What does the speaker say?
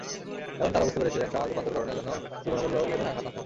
কারণ, তাঁরা বুঝতে পেরেছিলেন, সমাজ রূপান্তরকরণের জন্য পুরোনা মূল্যবোধে আঘাত হানতে হবে।